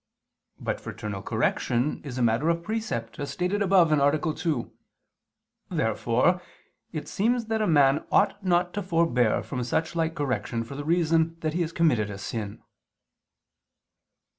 But fraternal correction is a matter of precept, as stated above (A. 2). Therefore it seems that a man ought not to forbear from such like correction for the reason that he has committed a sin.